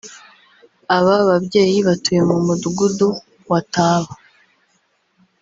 Aba babyeyi batuye mu Mudugudu wa Taba